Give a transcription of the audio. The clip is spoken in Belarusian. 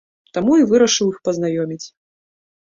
Таму і вырашыў іх пазнаёміць.